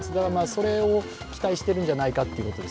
それを期待してるんじゃないかと。